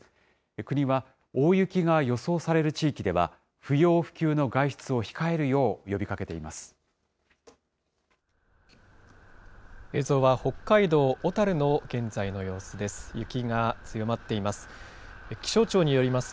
国は、大雪が予想される地域では、不要不急の外出を控えるよう呼びかけています。